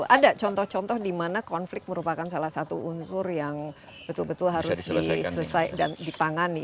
ada contoh contoh di mana konflik merupakan salah satu unsur yang betul betul harus diselesaikan ditangani